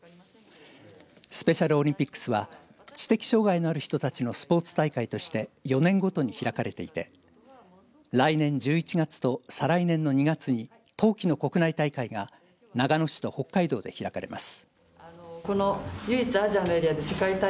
スペシャルオリンピックスは知的障害のある人たちのスポーツ大会として４年ごとに開かれていて来年１１月と再来年の２月に冬季の国内大会が長野市と北海道で開かれます。